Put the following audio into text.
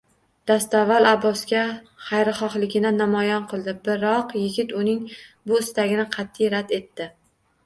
Dastavval Abbosga xayrixohligini namoyon qildi, biroq yigit uning bu istagini qat`iy rad etdi